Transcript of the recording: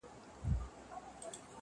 نو زنده گي څه كوي.